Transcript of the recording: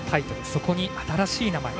そこに新しい名前。